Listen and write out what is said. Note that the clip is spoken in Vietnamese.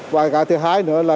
và cả thứ hai nữa là